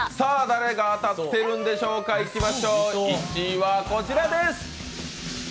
誰が当たっているんでしょうか、１位はこちらです！